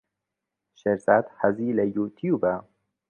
شێرزاد حەزی لە یووتیووبە.